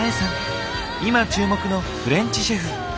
今注目のフレンチシェフ。